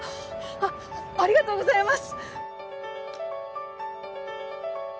ありがとうございます！